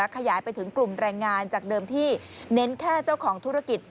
ขยายไปถึงกลุ่มแรงงานจากเดิมที่เน้นแค่เจ้าของธุรกิจ